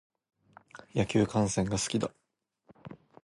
野球観戦が好きだ。